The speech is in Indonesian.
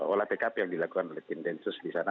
oleh tkp yang dilakukan oleh tim densus disana